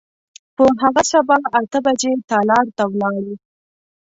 په هغه سبا اته بجې تالار ته ولاړو.